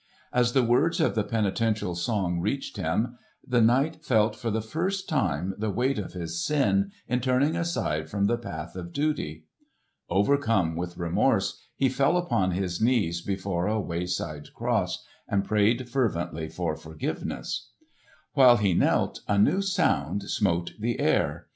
As the words of the penitential song reached him, the knight felt for the first time the weight of his sin in turning aside from the path of duty. Overcome with remorse he fell upon his knees before a wayside cross and prayed fervently for forgiveness. While he knelt a new sound smote the air.